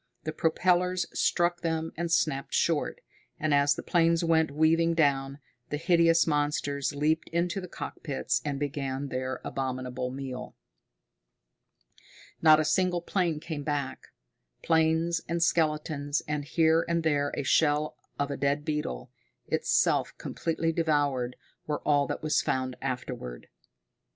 The propellers struck them and snapped short, and as the planes went weaving down, the hideous monsters leaped into the cockpits and began their abominable meal. Not a single plane came back. Planes and skeletons, and here and there a shell of a dead beetle, itself completely devoured, were all that was found afterward.